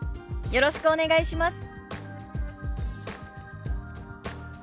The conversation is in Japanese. よろしくお願いします。